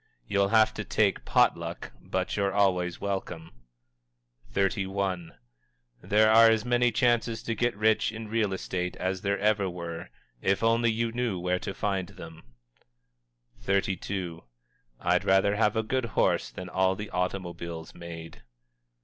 You'll have to take pot luck, but you're always welcome_." XXXI. "There are as many chances to get rich in real estate as there ever were if you only knew where to find them." XXXII. "_I'd rather have a good horse than all the automobiles made.